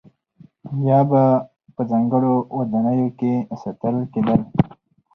یا به په ځانګړو ودانیو کې ساتل کېدل.